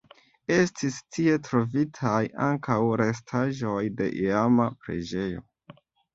Estis tie trovitaj ankaŭ restaĵoj de iama preĝejo.